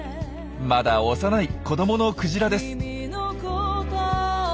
まだ幼い子どものクジラです。